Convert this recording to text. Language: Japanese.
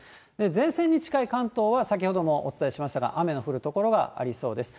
前線に近い関東は、先ほどもお伝えしましたが、雨の降る所がありそうです。